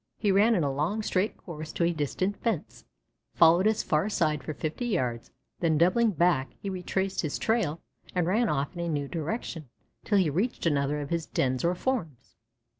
He ran in a long, straight course to a distant fence, followed its far side for fifty yards, then doubling back he retraced his trail and ran off in a new direction till he reached another of his dens or forms.